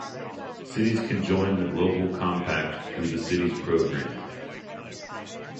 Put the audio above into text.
Cities can join the Global Compact through the Cities Programme.